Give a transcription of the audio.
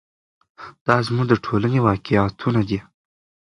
دا زموږ د ټولنې واقعیتونه دي.